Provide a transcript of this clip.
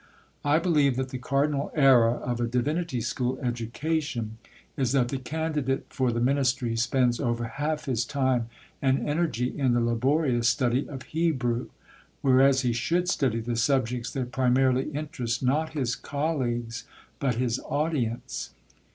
I believe that the cardinal error of a divinity school education is that the candidate for the ministry spends over half his time and energy in the laborious study of Hebrew, whereas he should study the subjects that primarily interest not his colleagues, but his audience.